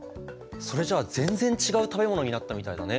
それじゃあ全然違う食べ物になったみたいだね。